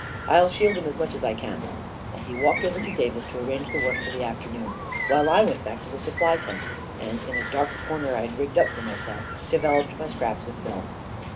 I'll shield him as much as I can," and he walked over to Davis to arrange the work for the afternoon, while I went back to the supply tent, and in a dark corner I had rigged up for myself, developed my scraps of film.